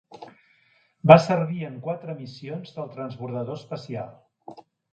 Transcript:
Va servir en quatre missions del transbordador espacial.